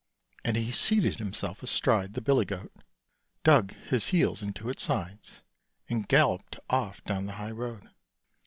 " And he seated himself astride the billy goat, dug his heels into its sides, and galloped off down the high road.